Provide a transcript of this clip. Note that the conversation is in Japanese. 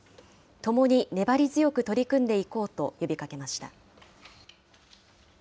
共に粘り強く取り組んでいこうと呼びかけました。